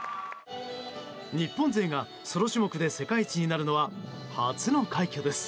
日本勢がソロ種目で世界一になるのは初の快挙です。